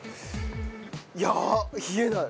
いや冷えない。